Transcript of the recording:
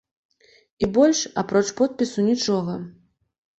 І больш, апроч подпісу, нічога.